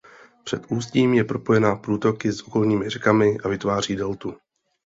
Před ústím je propojená průtoky s okolními řekami a vytváří deltu.